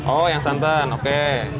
oh yang santan oke